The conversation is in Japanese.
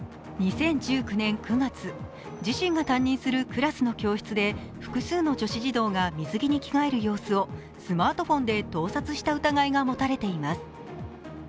２０１９年９月、自身が担任するクラスの教室で複数の女子児童が水着に着替える様子をスマートフォンで盗撮した疑いが持たれています。